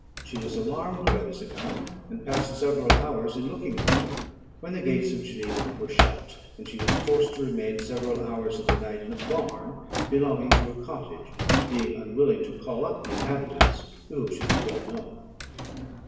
She was alarmed by this account, and passed several hours in looking for him, when the gates of Geneva were shut, and she was forced to remain several hours of the night in a barn belonging to a cottage, being unwilling to call up the inhabitants, to whom she was well known.